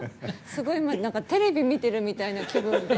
すごいテレビ見てるみたいな気分で。